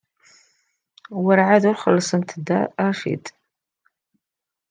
Werɛad ur xellṣent Dda Racid.